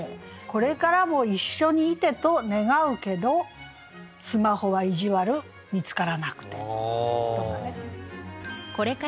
「これからも一緒に居てと願うけどスマホは意地悪見つからなくて」とかね。